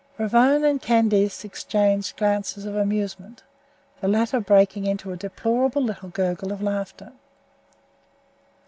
Ravone and Candace exchanged glances of amusement, the latter breaking into a deplorable little gurgle of laughter.